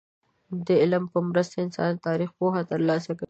د علم په مرسته انسان د تاريخ پوهه ترلاسه کوي.